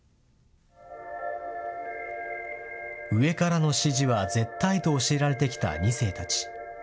上からの指示は絶対と教えられてきた２世たち。